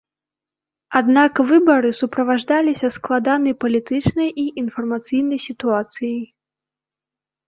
Аднак выбары суправаджаліся складанай палітычнай і інфармацыйнай сітуацыяй.